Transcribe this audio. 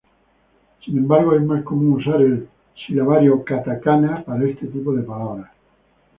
Sin embargo, es más común usar el silabario katakana para este tipo de palabras.